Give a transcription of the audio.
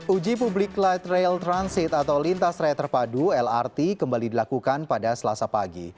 uji publik light rail transit atau lintas raya terpadu lrt kembali dilakukan pada selasa pagi